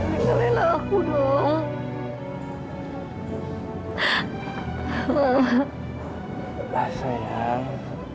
jangan lupa aku dong